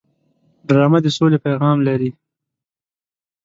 ډرامه د سولې پیغام لري